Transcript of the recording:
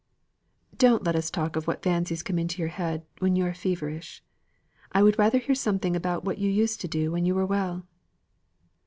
"Don't let us talk of what fancies come into your head when you are feverish. I would rather hear something about what you used to do when you were well."